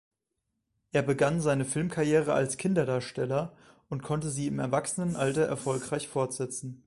Er begann seine Filmkarriere als Kinderdarsteller und konnte sie im Erwachsenenalter erfolgreich fortsetzen.